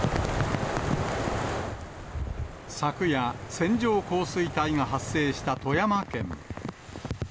昨夜、線状降水帯が発生した富山県。